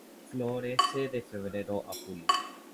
Florece de febrero a julio.